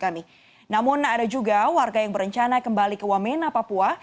namun ada juga warga yang berencana kembali ke wamena papua